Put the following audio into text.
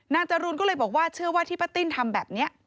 จรูนก็เลยบอกว่าเชื่อว่าที่ป้าติ้นทำแบบนี้